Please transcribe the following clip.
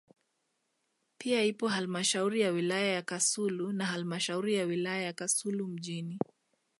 pia ipo halmashauri ya wilaya ya Kasulu na halmashauri ya wilaya ya Kasulu mjini